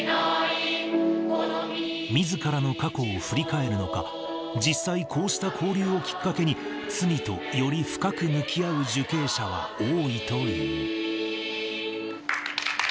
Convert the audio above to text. みずからの過去を振り返るのか、実際、こうした交流をきっかけに、罪とより深く向き合う受刑者は多いという。